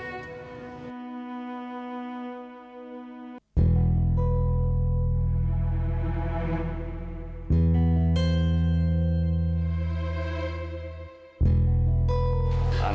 dan setelah itu